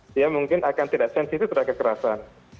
dia mungkin akan tidak sensitif terhadap kekerasan